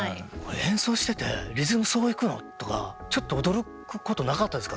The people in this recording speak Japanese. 演奏してて「リズムそういくの？」とかちょっと驚くことなかったですか？